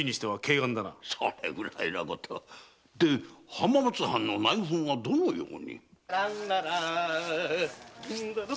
浜松藩の内紛はどのように？